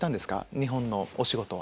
日本のお仕事は。